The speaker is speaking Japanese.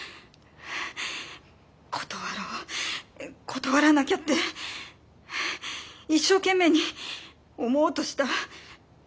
断ろう断らなきゃって一所懸命に思おうとした。